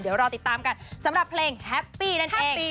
เดี๋ยวรอติดตามกันสำหรับเพลงแฮปปี้นั่นเอง